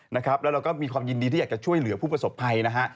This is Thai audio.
แล้วเราก็มีความยินดีที่อยากจะช่วยเหลือผู้ประสบภัยนะฮะ